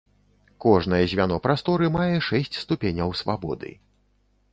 Кожнае звяно прасторы мае шэсць ступеняў свабоды.